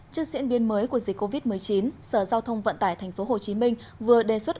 trước diễn biến mới của dịch covid một mươi chín sở giao thông vận tải tp hcm vừa đề xuất